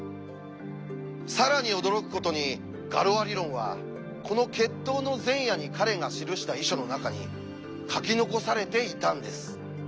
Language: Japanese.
更に驚くことに「ガロア理論」はこの決闘の前夜に彼が記した遺書の中に書き残されていたんです。